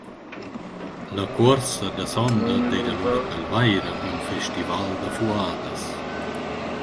La cuorsa da sonda d’eira lura pelvaira ün festival da fuadas.